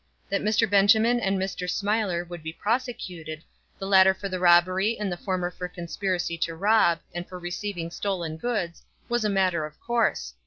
That Mr. Benjamin and Mr. Smiler would be prosecuted, the latter for the robbery and the former for conspiracy to rob, and for receiving stolen goods, was a matter of course.